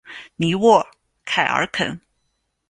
尼沃凯尔肯。